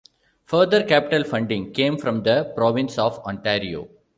Further capital funding came from the Province of Ontario.